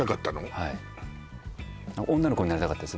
はい女の子になりたかったです